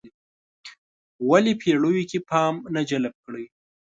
ولې پېړیو کې پام نه جلب کړی.